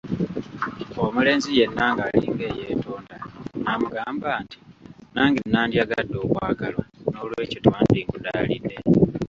Omulenzi yenna nga alinga eyeetonda n’amugamba nti “Nange nandyagadde okwagalwa n’olwekyo tewandinkudaalidde”.